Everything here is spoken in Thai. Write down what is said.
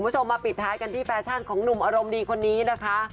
คุณผู้ชมมาปิดท้ายกันที่แฟชั่นของหนุ่มอารมณ์ดีคนนี้นะคะ